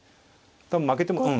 多分負けてもうん。